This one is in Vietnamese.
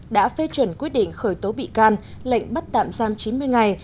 đã phê chuẩn quyết định khởi tố bị can lệnh bắt tạm giam chín mươi ngày